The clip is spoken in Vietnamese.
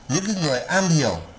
những người am hiểu